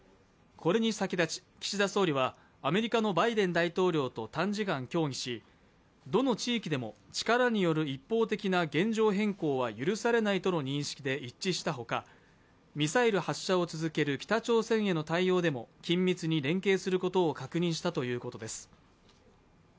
これに先立ち岸田総理はアメリカのバイデン大統領と短時間協議しどの地域でも力による一方的な現状変更は許されないとの認識で一致したほか、ミサイル発射を続ける北朝鮮への対応でも緊密に連携することを確認したということです。